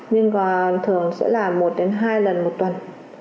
nhưng thường sẽ là một hai lần một tuần